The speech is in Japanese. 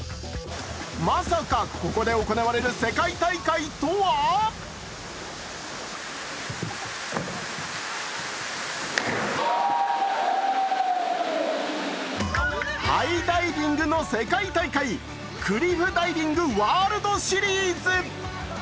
まさかここで行われる世界大会とはハイダイビングの世界大会、クリフダイビング・ワールドシリーズ。